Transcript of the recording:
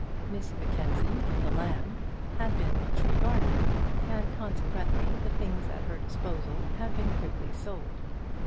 Miss Mackenzie, the lamb, had been much regarded, and consequently the things at her disposal had been quickly sold.